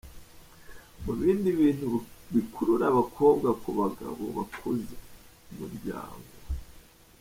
Mu bindi bintu bikurura abakobwa ku bagabo bakuze umuryango.